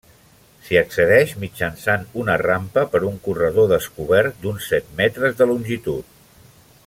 S'hi accedeix mitjançant una rampa per un corredor descobert d'uns set metres de longitud.